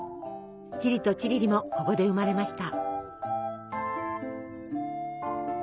チリとチリリもここで生まれました。